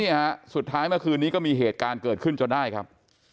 ฮะสุดท้ายเมื่อคืนนี้ก็มีเหตุการณ์เกิดขึ้นจนได้ครับ